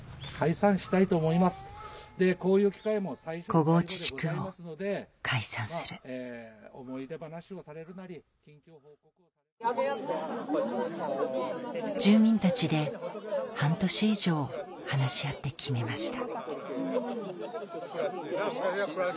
小河内地区を解散する住民たちで半年以上話し合って決めました